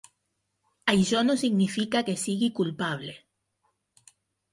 Això no significa que sigui culpable.